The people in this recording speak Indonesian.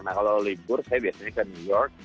nah kalau libur saya biasanya ke new york